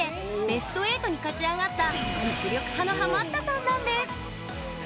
ベスト８に勝ち上がった実力派のハマったさんなんです。